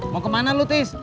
mau kemana lu tis